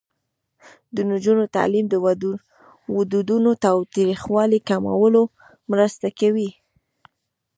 د نجونو تعلیم د ودونو تاوتریخوالي کمولو مرسته کوي.